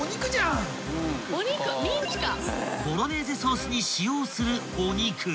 ［ボロネーゼソースに使用するお肉］